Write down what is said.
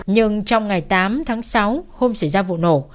nhưng trong ngày tám tháng sáu hôm xảy ra vụ nổ